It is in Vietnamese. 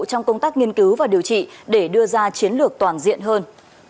trong công tác nghiên cứu và điều trị để đưa ra chiến lược toàn diện hơn